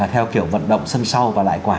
theo kiểu vận động sân sâu và lại quả